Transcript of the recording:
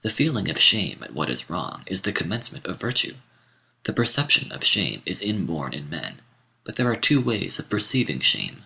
The feeling of shame at what is wrong is the commencement of virtue. The perception of shame is inborn in men; but there are two ways of perceiving shame.